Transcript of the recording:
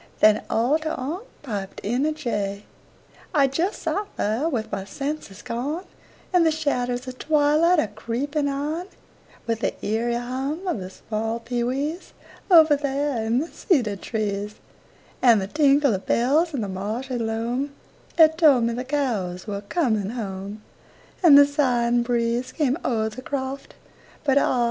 Then all ter onct piped in a jay. I just sot there with my senses gone, And the shadders of twilight a creepin' on, With the eerie hum of the small pee wees, Over there in the cedar trees, And the tinkle of bells in the marshy loam 'At told me the cows were coming home, And the sighing breeze came o'er the croft, But ah!